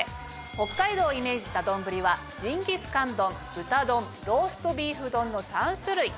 北海道をイメージした丼はジンギスカン丼豚丼ローストビーフ丼の３種類。